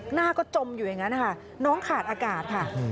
หน้าก็จมอยู่อย่างนั้นนะคะน้องขาดอากาศค่ะ